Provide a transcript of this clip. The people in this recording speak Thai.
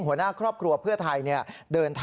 หัวหน้าครอบครัวเพื่อไทย